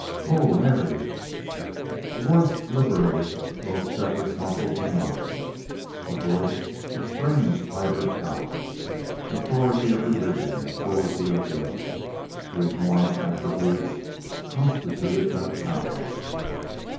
"Ho Mary!" A voice liberated both Shefford's muscle and mind a voice of strange, vibrant power. Authority of religion and cruelty of will these Mormon attributes constituted that power.